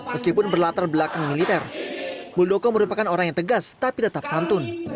meskipun berlatar belakang militer muldoko merupakan orang yang tegas tapi tetap santun